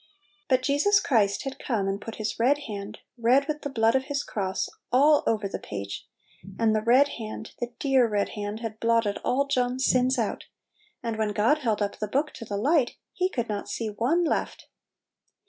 But Jesus Christ had come and put His red hand, red with the blood of His cross, all over the page, and the red hand, the dear red hand, had blotted all John's sins out; and when God held up the book to the light, He could not see one left!